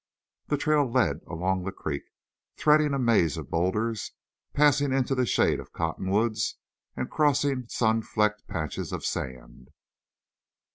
The trail led along the creek, threading a maze of bowlders, passing into the shade of cottonwoods, and crossing sun flecked patches of sand.